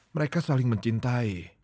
mereka saling mencintai